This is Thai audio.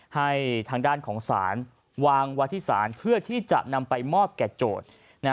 ให้ทางด้านของศาลวางไว้ที่ศาลเพื่อที่จะนำไปมอบแก่โจทย์